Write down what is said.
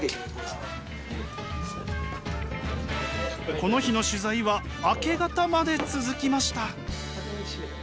この日の取材は明け方まで続きました。